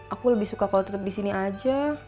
aku lebih suka kalau tetep disini aja